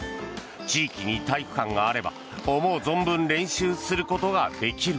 地域に体育館があれば思う存分練習することができる。